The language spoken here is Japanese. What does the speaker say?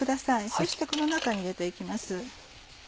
そしてこの中に入れて行きます。